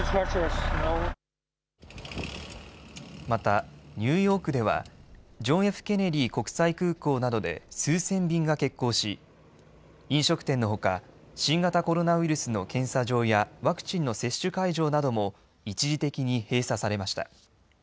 また、ニューヨークではジョン・Ｆ・ケネディ国際空港などで数千便が欠航し、飲食店のほか、新型コロナウイルスの検査場やワクチンの接種会場なども一時的に閉鎖されました。